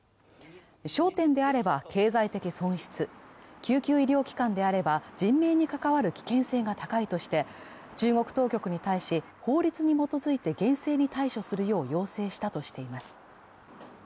商店であれば経済的損失、救急医療機関であれば人命に関わる危険性が高いとして、中国当局に対し、法律に基づいて厳正に対処するよう要請したとしています。